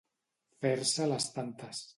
Fer-se les tantes.